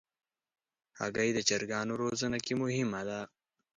هګۍ د چرګانو روزنه کې مهم ده.